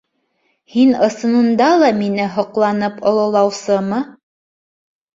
Һин ысынында ла мине һоҡланып ололаусымы?